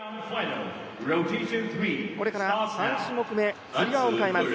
これから３種目め、つり輪を迎えます。